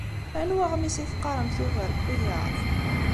Anwa aɣmis i teqqaṛemt ugar n wiyaḍ?